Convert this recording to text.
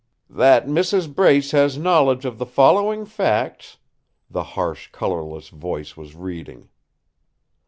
"'That Mrs. Brace has knowledge of the following facts,'" the harsh, colourless voice was reading.